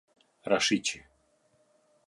Rashiqi